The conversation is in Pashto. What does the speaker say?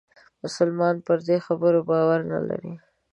مسلمانان پر دې خبرو باور نه لري.